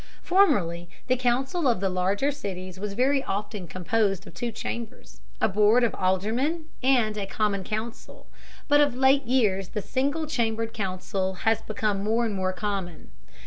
Formerly the council of the larger cities was very often composed of two chambers, a board of aldermen and a common council, but of late years the single chambered council has become more and more common.